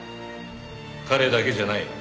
彼だけじゃない。